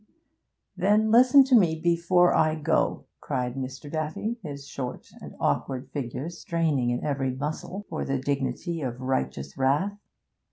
'Then listen to me before I go,' cried Mr. Daffy, his short and awkward figure straining in every muscle for the dignity of righteous wrath.